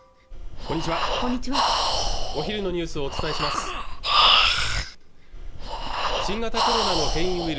こんにちはお昼のニュースをお伝えします新型コロナの変異ウイル